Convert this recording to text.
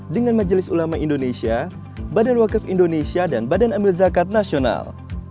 dengan majelis ulama indonesia badan wakaf indonesia dan badan amil zakat nasional